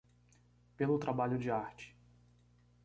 Pelo trabalho de arte